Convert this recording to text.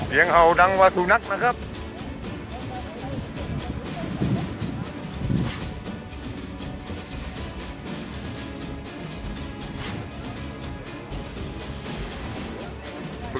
เย็นห่าวดังว่าถูกนัดนะครับ